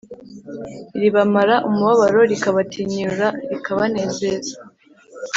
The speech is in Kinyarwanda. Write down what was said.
ribamara umubabaro rikabatinyura rikabanezeza